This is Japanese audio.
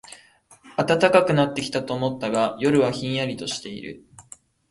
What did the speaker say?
暖かくなってきたと思ったが、夜はひんやりとしている